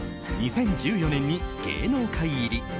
２０１４年に芸能界入り。